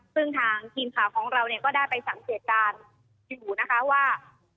ซึ่งทางทีมข่าวของเราเนี่ยก็ได้ไปสังเกตการณ์อยู่นะคะว่า